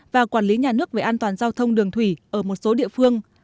và quản lý nhà nước về an toàn giao thông đường thủy ở một số địa phương